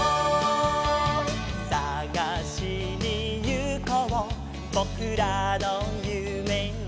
「さがしにゆこうぼくらのゆめを」